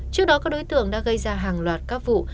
trước đó các đối tượng đã gây ra hàng loạt các vụ